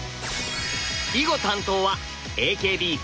囲碁担当はＡＫＢ４８。